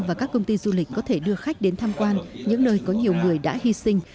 và các công ty du lịch có thể đưa khách đến tham quan những nơi có nhiều người đã hy sinh